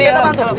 nih saya belom